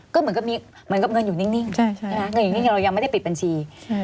ก็เหมือนกับเงินอยู่นิ่งเรายังไม่ได้ปิดบัญชี